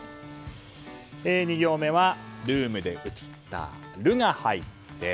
２行目はルームで映った「ル」が入って。